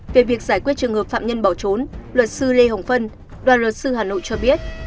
về việc giải quyết trường hợp phạm nhân bỏ trốn luật sư lê hồng phân đoàn luật sư hà nội cho biết